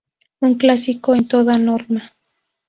Un clásico en toda norma.